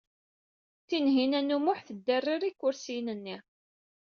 Tinhinan u Muḥ tderrer ikersiyen-nni.